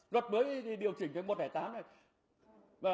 luật mới điều chỉnh cho một trăm linh tám này